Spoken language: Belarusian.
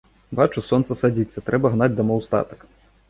Бачу, сонца садзіцца, трэба гнаць дамоў статак.